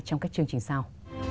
trong các chương trình sau